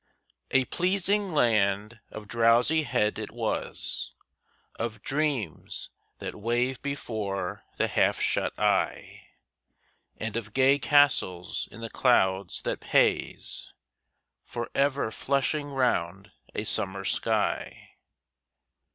A pleasing land of drowsy head it was, Of dreams that wave before the half shut eye, And of gay castles in the clouds that pays, For ever flushing round a summer sky.